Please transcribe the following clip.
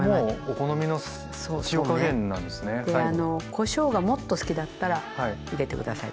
こしょうがもっと好きだったら入れて下さいここで。